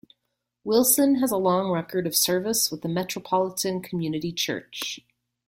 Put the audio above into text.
Wilson has a long record of service with the Metropolitan Community Church.